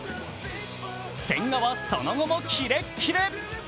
千賀はその後もキレッキレ。